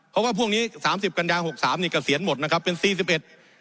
เพราะว่าพวกนี้สามสิบกัญญาหกสามนี่เกษียณหมดนะครับเป็นสี่สิบเอ็ด